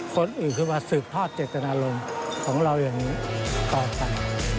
คนอื่นคือมาสืบทอดเจตนารมณ์ของเราอย่างนี้ต่อไป